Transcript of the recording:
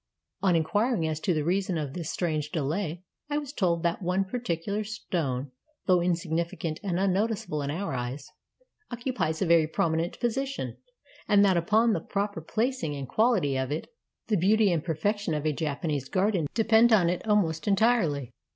On inquiring as to the reason of this strange delay, I was told that that one particular stone, though insignificant and unnoticeable in our eyes, occupies a very prominent position, and that upon the proper placing and quality of it the beauty and perfection of a Japanese garden depend almost entirely.